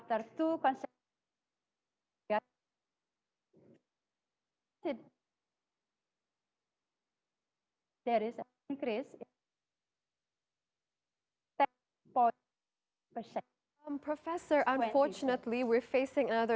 apakah kita berada di jalan yang benar untuk ekonomi sepeda dan sosial